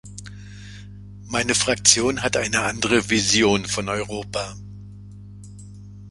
Meine Fraktion hat eine andere Vision von Europa.